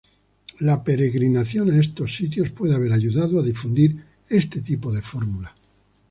La peregrinación a estos sitios puede haber ayudado a difundir este tipo de fórmula.